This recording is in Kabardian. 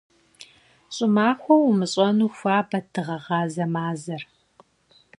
ЩӀымахуэу умыщӀэну, хуабэт дыгъэгъазэ мазэр.